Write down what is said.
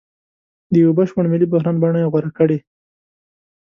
د یوه بشپړ ملي بحران بڼه یې غوره کړې.